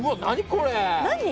これ？